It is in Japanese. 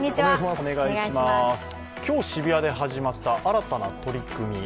今日、渋谷で始まった新たな取り組み。